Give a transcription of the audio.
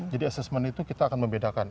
jadi assessment itu kita akan membedakan